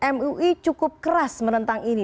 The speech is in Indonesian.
mui cukup keras menentang ini